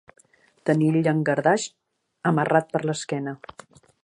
Tenir el llangardaix amarrat per l'esquena.